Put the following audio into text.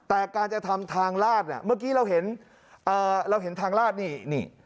แต่การจะทำทางลาดเนี่ยเมื่อกี้เราเห็นเราเห็นทางลาดนี่นี่